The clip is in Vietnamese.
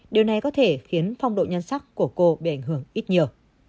điều này có thể khiến phong độ nhân sắc của cô bị ảnh hưởng ít nhiều